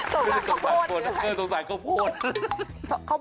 สงสารข้อโภชน์หรือไงทีนะสงสารข้อโภชน์